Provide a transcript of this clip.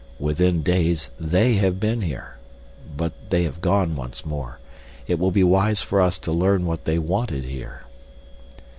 "Within days they have been here. But they have gone once more. It will be wise for us to learn what they wanted here."